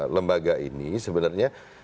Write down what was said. lembaga ini sebenarnya